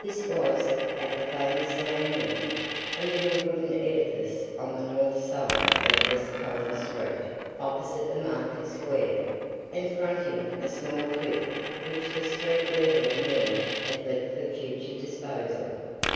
This was at the famous Lamb Inn, a little wooden edifice on the north side of West Collins street, opposite the Market square, and fronting a small cliff which the street levelling there had left for future disposal.